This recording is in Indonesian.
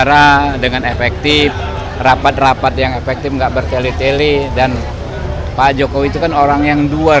jangan lupa subscribe like dan share ya